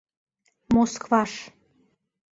Москваш.